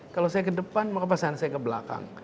kalau saya ke depan maka pasangan saya ke belakang